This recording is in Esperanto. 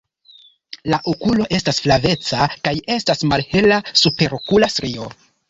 La okulo estas flaveca kaj estas malhela superokula strio.